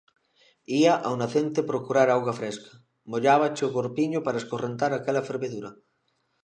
Ía ao nacente procurar auga fresca, mollábache o corpiño para escorrentar aquela fervedura.